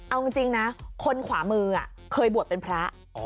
เอาจริงนะคนขวามือเคยบวชเป็นพระ